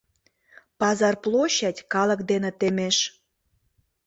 Пазар площадь калык дене темеш.